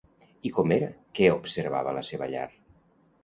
I com era què observava la seva llar?